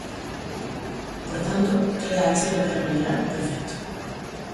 Por tanto, toda a achega para mellorar ¡perfecto!